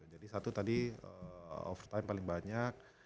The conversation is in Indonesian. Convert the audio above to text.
jadi satu tadi overtime paling banyak